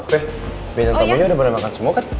fe biar tentunya udah boleh makan semua kan